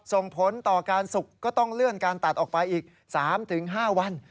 ส่งผลต่อการสุกก็ต้องเลื่อนการตัดออกไปอีก๓๕วัน